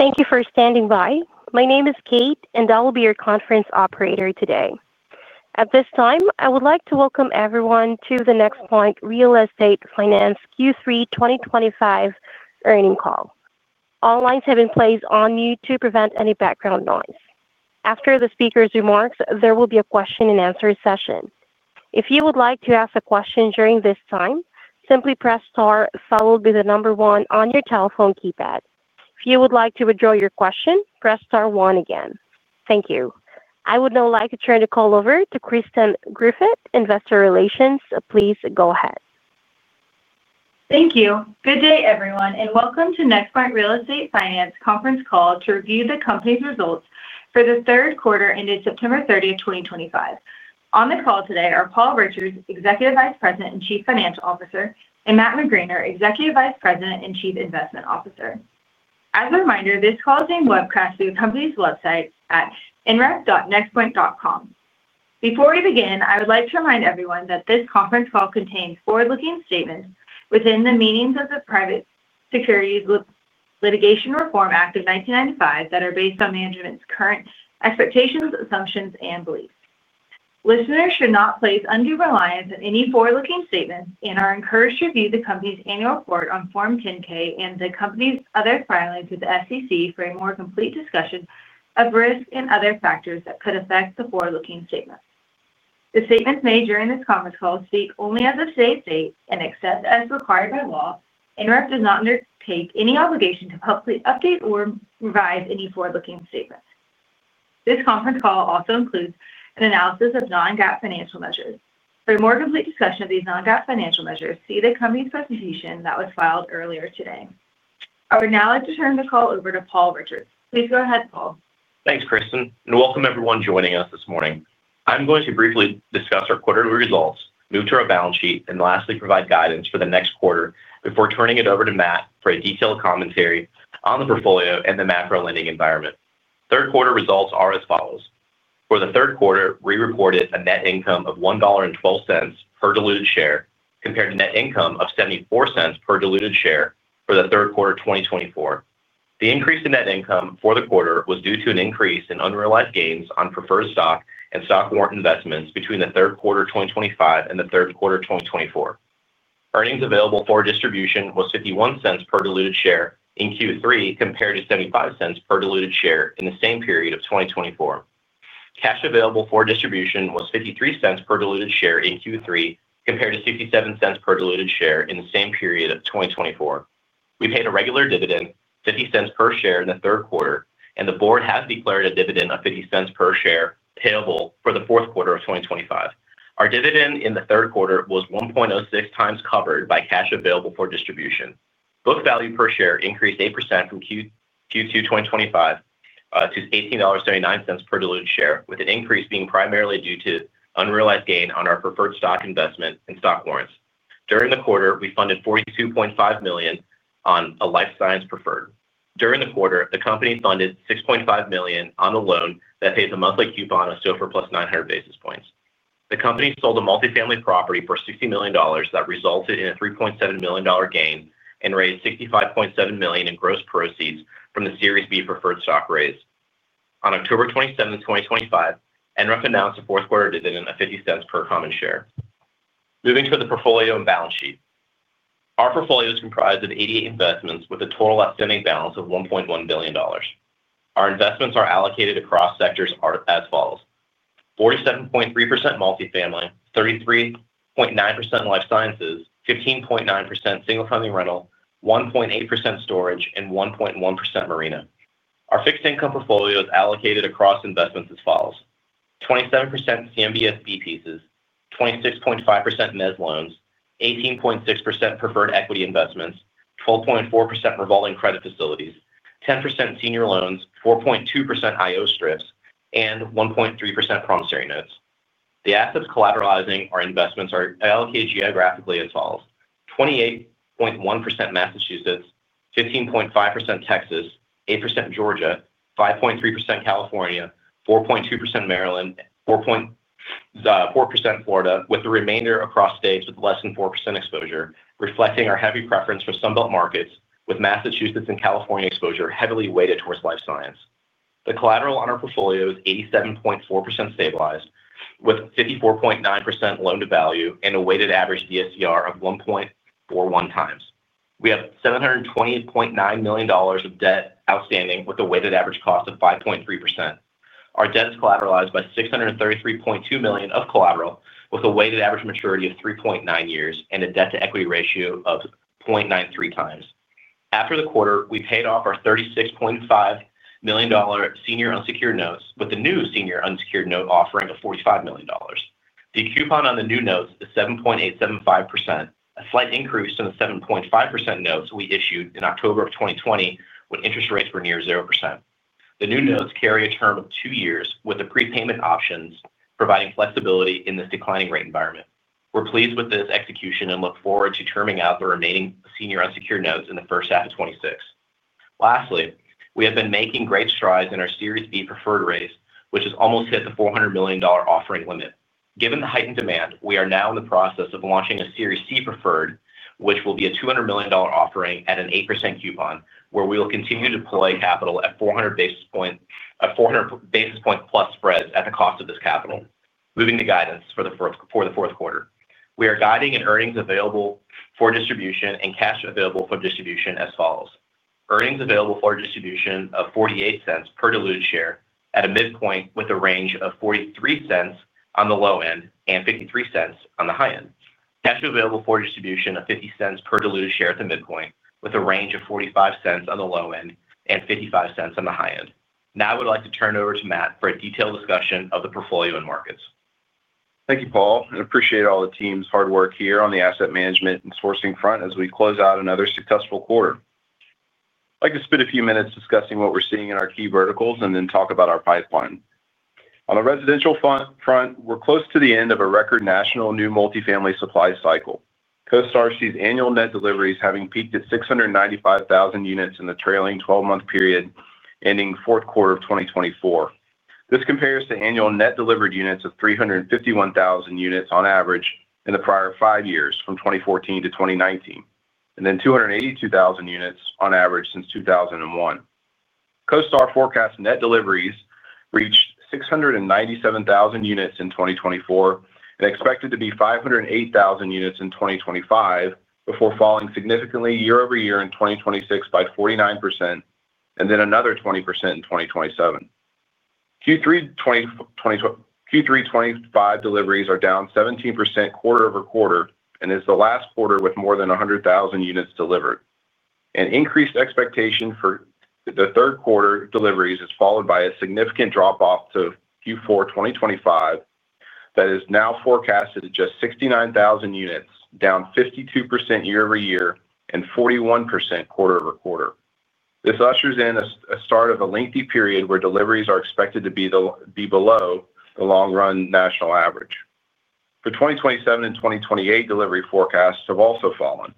Thank you for standing by. My name is Kate and I will be your conference operator today. At this time I would like to welcome everyone to the NexPoint Real Estate Finance Q3 2025 earnings call. All lines have been placed on mute to prevent any background noise. After the speakers' remarks, there will be a question and answer session. If you would like to ask a question during this time, simply press STAR followed by the number one on your telephone keypad. If you would like to withdraw your question, press STAR one again. Thank you. I would now like to turn the call over to Kristen Griffith, Investor Relations. Please go ahead. Thank you. Good day everyone and welcome to the NexPoint Real Estate Finance conference call to review the Company's results for the third quarter ended September 30, 2025. On the call today are Paul Richards, Executive Vice President and Chief Financial Officer, and Matt McGraner, Executive Vice President and Chief Investment Officer. As a reminder, this call is being webcast to the company's website at nref.nexpoint.com. Before we begin, I would like to remind everyone that this conference call contains forward-looking statements within the meanings of the Private Securities Litigation Reform Act of 1995 that are based on management's current expectations, assumptions, and beliefs. Listeners should not place undue reliance on any forward-looking statements and are encouraged to review the Company's annual report on Form 10-K and the Company's other filings with the SEC for a more complete discussion of risks and other factors that could affect the forward-looking statements. The statements made during this conference call speak only as of today's date and except as required by law, NREF does not undertake any obligation to publicly update or revise any forward-looking statements. This conference call also includes an analysis of non-GAAP financial measures. For a more complete discussion of these non-GAAP financial measures, see the Company's presentation that was filed earlier today. I would now like to turn the call over to Paul Richards. Please go ahead Paul. Thanks Kristen and welcome everyone joining us this morning. I'm going to briefly discuss our quarterly results, move to our balance sheet, and lastly provide guidance for the next quarter before turning it over to Matt for a detailed commentary on the portfolio and the macro lending environment. Third quarter results are as follows. For the third quarter we reported a net income of $1.12 per diluted share compared to net income of $0.74 per diluted share for the third quarter 2024. The increase in net income for the quarter was due to an increase in unrealized gains on preferred stock and stock warrant investments between the third quarter 2025 and the third quarter 2024. Earnings available for distribution was $0.51 per diluted share in Q3 compared to $0.75 per diluted share in the same period of 2024. Cash available for distribution was $0.53 per diluted share in Q3 compared to $0.67 per diluted share in the same period of 2024. We paid a regular dividend of $0.50 per share in the third quarter and the board has declared a dividend of $0.50 per share payable for the fourth quarter of 2025. Our dividend in the third quarter was 1.06x covered by cash available for distribution. Book value per share increased 8% from Q2 2025 to $18.79 per diluted share with the increase being primarily due to unrealized gain on our preferred stock investment and stock warrants. During the quarter we funded $42.5 million on a life sciences preferred. During the quarter the company funded $6.5 million on a loan that pays a monthly coupon of SOFR +900 basis points. The company sold a multifamily property for $60 million that resulted in a $3.7 million gain and raised $65.7 million in gross proceeds from the Series B Preferred stock raise. On October 27th, 2025, NREF announced a fourth quarter dividend of $0.50 per common share. Moving to the portfolio and balance sheet, our portfolio is comprised of 88 investments with a total outstanding balance of $1.1 billion. Our investments are allocated across sectors as 47.3% multifamily, 33.9% life sciences, 15.9% single-family rental, 1.8% storage, and 1.1% marina. Our fixed income portfolio is allocated across investments as follows: 27% CMBS B pieces, 26.5% mezzanine loans, 18.6% preferred equity investments, 12.4% revolving credit facilities, 10% senior loans, 4.2% IO strips, and 1.3% promissory notes. The assets collateralizing our investments are allocated geographically at 28.1% Massachusetts, 15.5% Texas, 8% Georgia, 5.3% California, 4.2% Maryland, 4.4% Florida, with the remainder across states with less than 4% exposure, reflecting our heavy preference for Sun Belt markets, with Massachusetts and California exposure heavily weighted towards life sciences. The collateral on our portfolio is 87.4% stabilized, with 54.9% loan to value and a weighted average DSCR of 1.41x. We have $728.9 million of debt outstanding with a weighted average cost of 5.3%. Our debt is collateralized by $633.2 million of collateral with a weighted average maturity of 3.9 years and a debt to equity ratio of 0.93x. After the quarter, we paid off our $36.5 million senior unsecured notes with the new senior unsecured note offering of $45 million. The coupon on the new notes is 7.875%, a slight increase from the 7.5% notes we issued in October 2020 when interest rates were near 0%. The new notes carry a term of two years, with the prepayment options providing flexibility in this declining rate environment. We're pleased with this execution and look forward to terming out the remaining senior unsecured notes in first half of 2026. Lastly, we have been making great strides in our Series B Preferred raise, which has almost hit the $400 million offering limit given the heightened demand. We are now in the process of launching a Series C Preferred, which will be a $200 million offering at an 8% coupon, where we will continue to deploy capital at 400 basis point plus spreads at the cost of this capital. Moving to guidance for the fourth quarter, we are guiding earnings available for distribution and cash available for distribution as follows. Earnings available for distribution of $0.48 per diluted share at a midpoint, with a range of $0.43 on the low end and $0.53 on the high end. Cash available for distribution of $0.50 per diluted share at the midpoint, with a range of $0.45 on the low end and $0.55 on the high end. Now I would like to turn over to Matt for a detailed discussion of the portfolio and markets. Thank you, Paul, and appreciate all the team's hard work here. On the asset management and sourcing front, as we close out another successful quarter, like to spend a few minutes discussing what we're seeing in our key verticals and then talk about our pipeline. On a residential front, we're close to the end of a record national new multifamily supply cycle. CoStar sees annual net deliveries having peaked at 695,000 units in the trailing twelve month period ending fourth quarter of 2024. This compares to annual net delivered units of 351,000 units on average in the prior five years from 2014 to 2019 and then 282,000 units on average since 2001. CoStar forecasts net deliveries reach 697,000 units in 2024 and expected to be 508,000 units in 2025 before falling significantly year-over-year in 2026 by 49% and then another 20% in 2027. Q3 2025 deliveries are down 17% quarter-over-quarter and is the last quarter with more than 100,000 units delivered. An increased expectation for the third quarter deliveries is followed by a significant drop off to Q4 2025 that is now forecasted at just 69,000 units, down 52% year-over-year and 41% quarter-over-quarter. This ushers in a start of a lengthy period where deliveries are expected to be below the long run national average. For 2027 and 2028. Delivery forecasts have also fallen.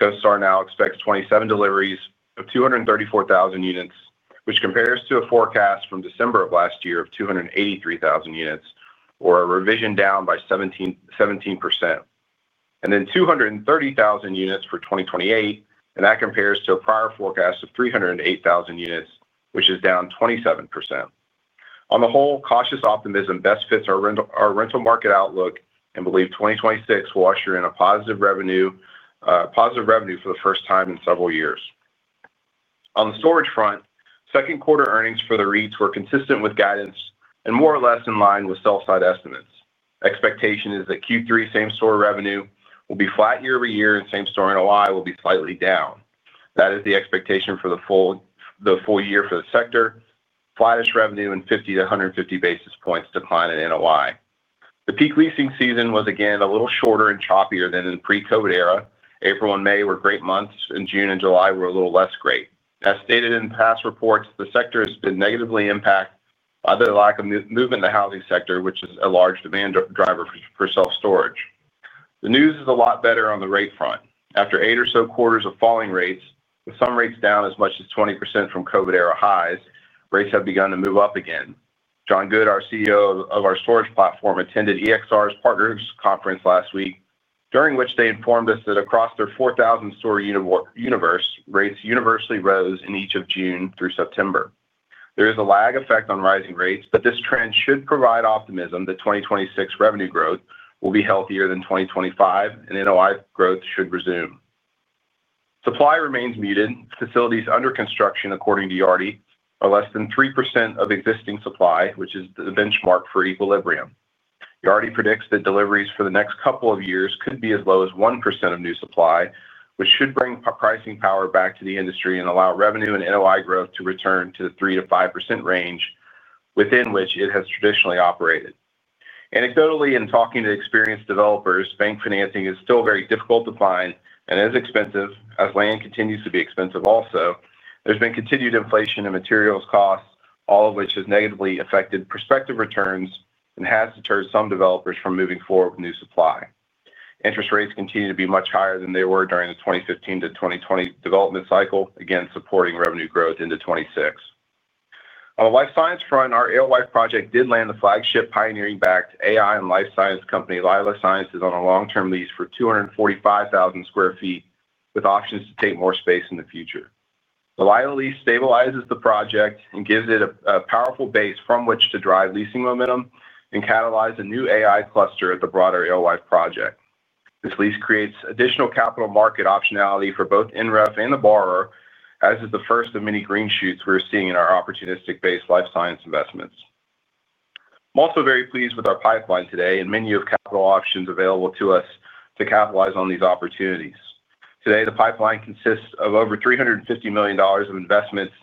CoStar now expects 2027 deliveries of 234,000 units, which compares to a forecast from December of last year of 283,000 units or a revision down by 17% and then 230,000 units for 2028 and that compares to a prior forecast of 308,000 units which is down 27%. On the whole, cautious optimism best fits our rental market outlook and believe 2026 will usher in a positive revenue for the first time in several years. On the storage front, second quarter earnings for the REITs were consistent with guidance and more or less in line with sell side estimates. Expectation is that Q3 same store revenue will be flat year over year and same store NOI will be slightly down. That is the expectation for the full year for the sector, flattish revenue and 50 to 150 basis points decline in NOI. The peak leasing season was again a little shorter and choppier than in the pre-COVID era. April and May were great months and June and July were a little less great. As stated in past reports, the sector has been negatively impacted by the lack of movement in the housing sector, which is a large demand driver for self storage. The news is a lot better on the rate front. After eight or so quarters of falling rates, with some rates down as much as 20% from COVID era highs, rates have begun to move up again. John Good, our CEO of our storage platform, attended EXR's partners conference last week during which they informed us that across their 4,000 store universe, rates universally rose in each of June through September. There is a lag effect on rising rates, but this trend should provide optimism that 2026 revenue growth will be healthier than 2025 and NOI growth should resume. Supply remains muted. Facilities under construction, according to Yardi, are less than 3% of existing supply, which is the benchmark for equilibrium. Yardi predicts that deliveries for the next couple of years could be as low as 1% of new supply, which should bring pricing power back to the industry and allow revenue and NOI growth to return to the 3%-5% range within which it has traditionally operated. Anecdotally, in talking to experienced developers, bank financing is still very difficult to find and is expensive as land continues to be expensive. Also, there's been continued inflation in materials costs, all of which has negatively affected prospective returns and has deterred some developers from moving forward with new supply. Interest rates continue to be much higher than they were during the 2015-2020 development cycle, again supporting revenue growth into 2026. On the life sciences front, our Alewife project did land the Flagship Pioneering-backed AI and life sciences company Lila Sciences on a long-term lease for 245,000 sq ft with options to take more space in the future. The Lila lease stabilizes the project and gives it a powerful base from which to drive leasing momentum and catalyze a new AI cluster at the broader Alewife project. This lease creates additional capital market optionality for both NREF and the borrower, as it is the first of many green shoots we're seeing in our opportunistic base life sciences investments. I'm also very pleased with our pipeline today and menu of capital options available to us to capitalize on these opportunities today. The pipeline consists of over $350 million of investments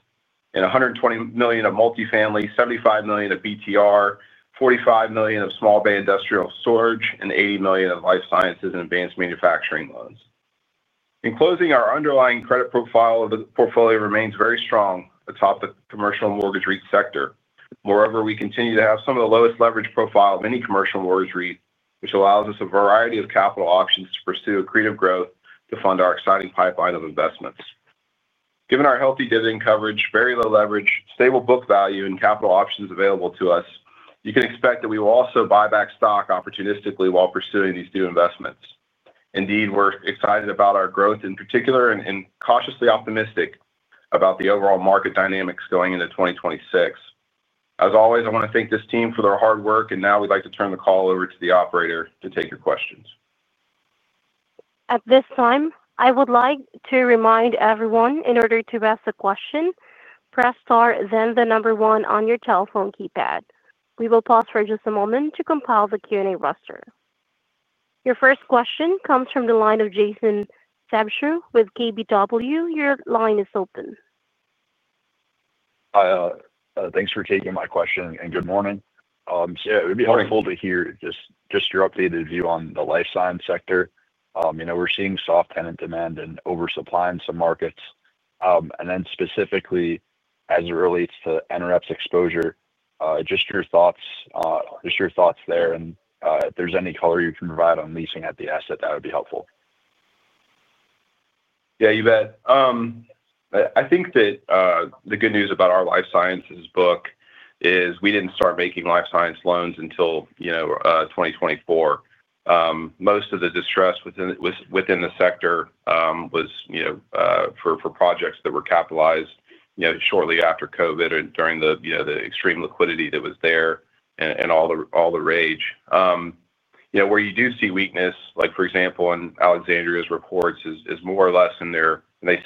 in $120 million of multifamily, $75 million of BTR, $45 million of small bay industrial storage, and $80 million of life sciences and advanced manufacturing loans. In closing, our underlying credit profile of the portfolio remains very strong atop the commercial mortgage REIT sector. Moreover, we continue to have some of the lowest leverage profile of any commercial mortgage REIT, which allows us a variety of capital options to pursue accretive growth to fund our exciting pipeline of investments. Given our healthy dividend coverage, very low leverage, stable book value, and capital options available to us, you can expect that we will also buy back stock opportunistically while pursuing these new investments. Indeed, we're excited about our growth in particular and cautiously optimistic about the overall market dynamics going into 2026. As always, I want to thank this team for their hard work. Now we'd like to turn the call over to the operator to take your questions. At this time I would like to remind everyone in order to ask a question, press Star then the number One on your telephone keypad. We will pause for just a moment to compile the Q&A roster. Your first question comes from the line of Jason Savshu with KBW. Your line is open. Thanks for taking my question and good morning. It would be helpful to hear just your updated view on the life sciences sector. You know, we're seeing soft tenant demand and oversupply in some markets and then specifically as it relates to NREF's exposure, just your thoughts there. If there's any color you can provide on leasing at the asset, that would be helpful. Yeah, you bet. I think that the good news about our life sciences book is we didn't start making life sciences loans until 2024. Most of the distress within the sector was for projects that were capitalized shortly after COVID and during the extreme liquidity that was there and all the rage. Where you do see weakness, like for example in Alexandria's reports, is more or less in their B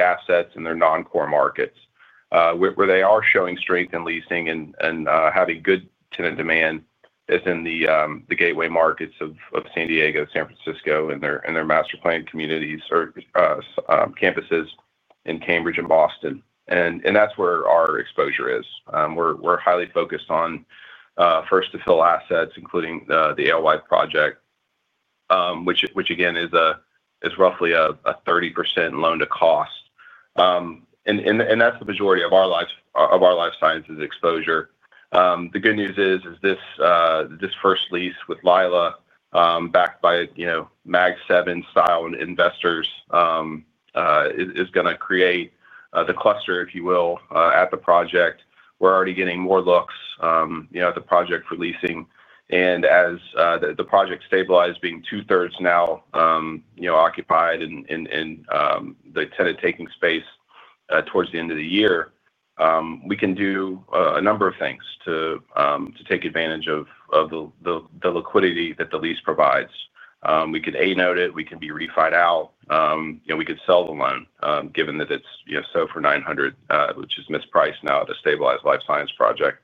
assets and their non-core markets. Where they are showing strength in leasing and having good tenant demand is in the gateway markets of San Diego, San Francisco, and their master plan communities or campus in Cambridge and Boston. That's where our exposure is. We're highly focused on first-to-fill assets, including the Alewife project, which again is roughly a 30% loan to cost, and that's the majority of our life sciences exposure. The good news is this first lease with Lila, backed by Mag 7 style investors, is going to create the cluster, if you will, at the project. We're already getting more looks at the project for leasing, and as the project stabilizes, being two-thirds now occupied and the tenant taking space towards the end of the year, we can do a number of things to take advantage of the liquidity that the lease provides. We could note it, we can be refi'd out, and we could sell the loan given that it's SOFR 900, which is mispriced now at a stabilized life sciences project.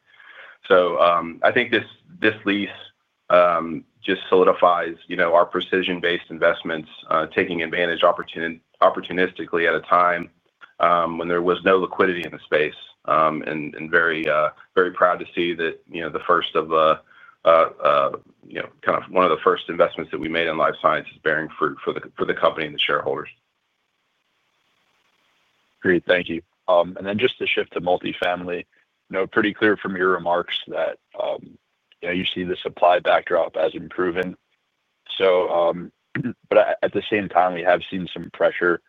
I think this lease just solidifies our precision-based investments, taking advantage opportunistically at a time when there was no liquidity in the space. Very, very proud to see that the first of kind of one of the first investments that we made in life sciences is bearing fruit for the company and the shareholders. Great, thank you. Just to shift to multifamily. Pretty clear from your remarks that you see the supply backdrop as improving. At the same time, we have Seen some pressure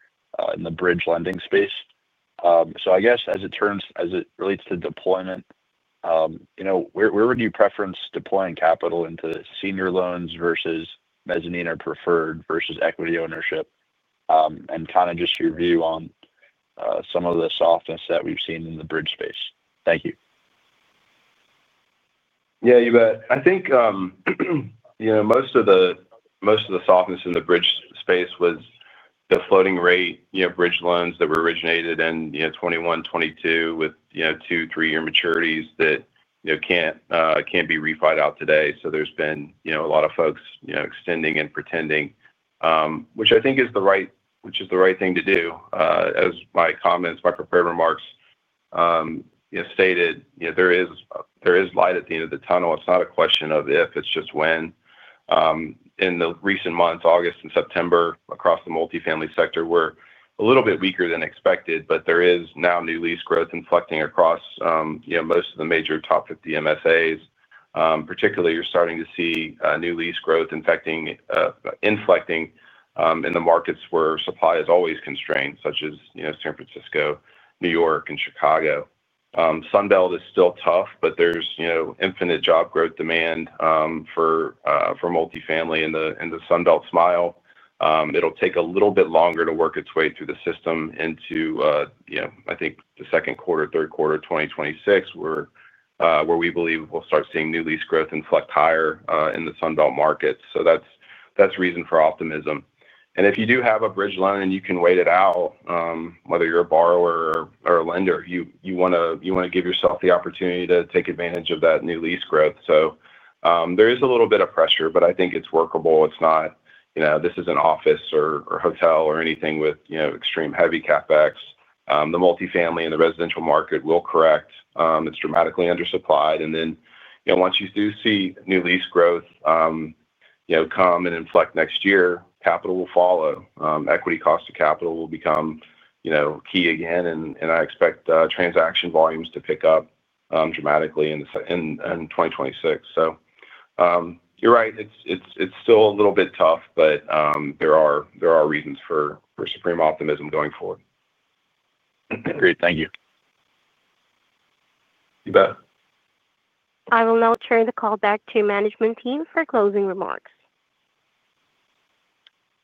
in the bridge lending space as it turns It relates to deployment, you know, where. Would you preference deploying capital into senior? Loans versus mezzanine or preferred versus equity Ownership and kind of just your view On some of the softness that we've seen Seen in the bridge space? Thank you. Yeah, you bet. I think most of the softness in the bridge space was the floating-rate bridge loans that were originated in 2021-2022 with two to three-year maturities that can't be refi'd out today. There's been a lot of folks extending and pretending, which I think is the right thing to do. As my prepared remarks stated, there is light at the end of the tunnel. It's not a question of if, it's just when. In the recent months, August and September across the multifamily sector were a little bit weaker than expected. There is now new lease growth inflecting across most of the major top 50 MSAs. Particularly, you're starting to see new lease growth inflecting in the markets where supply is always constrained, such as San Francisco, New York, and Chicago. Sun Belt is still tough, but there's infinite job growth demand for multifamily in the Sun Belt smile. It'll take a little bit longer to work its way through the system into, I think, the second quarter, third quarter, 2026 where we believe we'll start seeing new lease growth inflect higher in the Sun Belt market. That's reason for optimism. If you do have a bridge loan and you can wait it out, whether you're a borrower or a lender, you want to give yourself the opportunity to take advantage of that new lease growth. There is a little bit of pressure, but I think it's workable. It's not, you know, this is an office or hotel or anything with extreme heavy CapEx. The multifamily and the residential market will correct, it's dramatically undersupplied. Once you do see new lease growth come and inflect next year, capital will follow. Equity cost of capital will become key again and I expect transaction volumes to pick up dramatically in 2026. You're right, it's still a little bit tough, but there are reasons for supreme optimism going forward. Great, thank you. You bet. I will now turn the call back to the management team for closing remarks.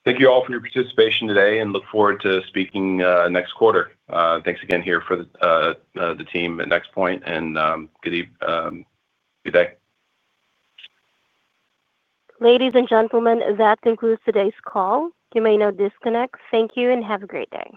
Thank you all for your participation today. I look forward to speaking next quarter. Thanks again from the team at NexPoint. Good evening. Good day. Ladies and gentlemen, that concludes today's call. You may now disconnect. Thank you and have a great day.